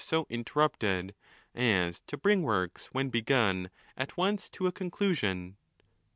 80 interrupted, as to bring works when begun at once 10 a conclusion.